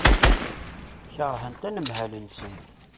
Keṛhent anemhal-nsent.